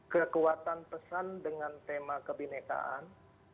kekuatan pesan dengan tema kebinekaan